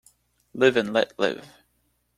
Live and let live.